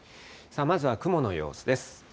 まずは雲の様子です。